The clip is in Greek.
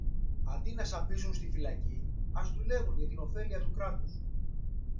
Αντί να σαπίζουν στη φυλακή, ας δουλεύουν για την ωφέλεια του κράτους.